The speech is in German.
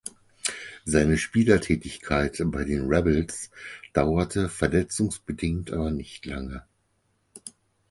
Seine Spielertätigkeit bei den Rebels dauerte verletzungsbedingt aber nicht lange.